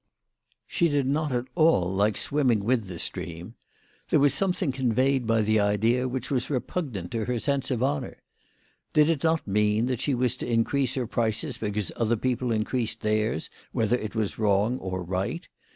She did not at all like swimming with the stream. 84 WHY FEAU FROHMANN RAISED HER PRICES. There was something conveyed by the idea which was repugnant to her sense of honour. Did it not mean that she was to increase her prices because other people increased theirs, whether it was wrong or right